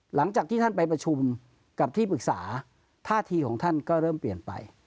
หลังจากที่ท่านไปประชุมกับที่ปรึกษาท่าทีของท่านก็เริ่มเปลี่ยนไป